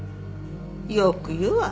よく言うわ。